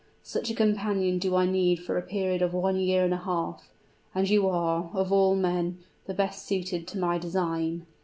Such a companion do I need for a period of one year and a half; and you are, of all men, the best suited to my design.